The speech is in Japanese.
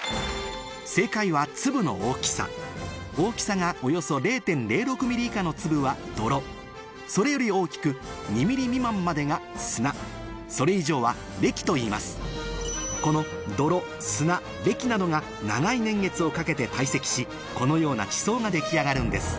正解はつぶの大きさ大きさがおよそ０．０６ｍｍ以下のつぶはどろそれより大きく２ｍｍ未満までが砂それ以上はれきといいますこのどろ・砂・れきなどが長い年月をかけて堆積しこのような地層が出来上がるんです